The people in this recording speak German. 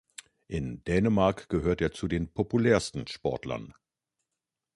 In Dänemark gehört er zu den populärsten Sportlern.